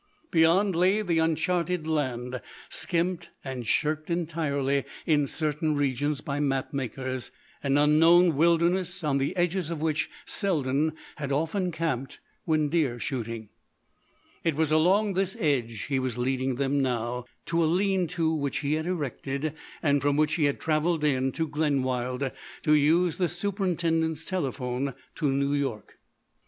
Beyond lay the uncharted land, skimped and shirked entirely in certain regions by map makers;—an unknown wilderness on the edges of which Selden had often camped when deer shooting. It was along this edge he was leading them, now, to a lean to which he had erected, and from which he had travelled in to Glenwild to use the superintendent's telephone to New York.